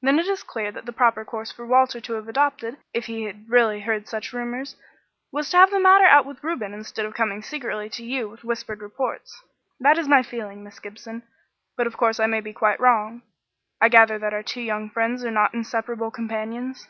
Then it is clear that the proper course for Walter to have adopted, if he had really heard such rumours, was to have had the matter out with Reuben, instead of coming secretly to you with whispered reports. That is my feeling, Miss Gibson, but, of course, I may be quite wrong. I gather that our two young friends are not inseparable companions?"